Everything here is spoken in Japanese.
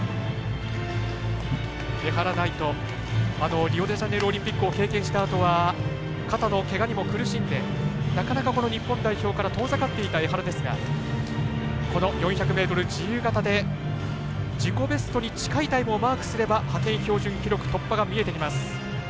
江原騎士リオデジャネイロオリンピックを経験したあとは肩のけがにも苦しんでなかなか日本代表から遠ざかっていた江原ですが４００ｍ自由形で自己ベストに近いタイムをマークすれば派遣標準記録突破が見えてきます。